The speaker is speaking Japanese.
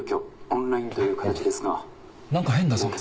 オンラインという形ですが」なんか変だぞ。